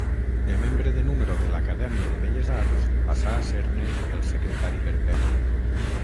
De membre de número de l'Acadèmia de Belles Arts passà a ser-ne el secretari perpetu.